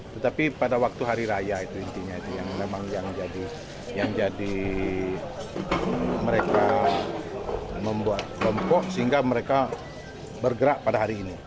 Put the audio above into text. tetapi pada waktu hari raya itu intinya yang jadi mereka membuat gempok sehingga mereka bergerak pada hari ini